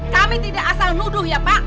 kami tidak asal nuduh ya pak